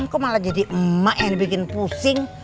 kok malah jadi emak yang dibikin pusing